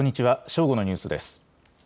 正午のニュースです。